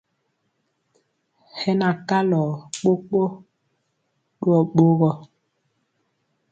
Hɛ na kalɔ kpokpo ɗuyɔ ɓogɔ.